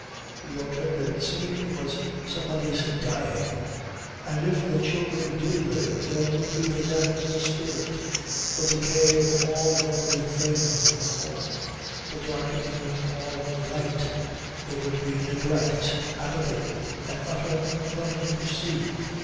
The alternative, it seemed, was somebody's dying; and if the children did live there would be the death of the spirit, the decay of all lovely things in the home, the darkening of all light; there would be neglect, apathy, an utter running to seed.